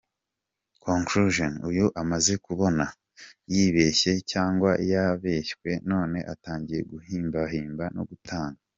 Conclusion: Uyu amaze kubona ko yibeshye cyangwa yabeshywe none atangiye guhimbahimba no gutanga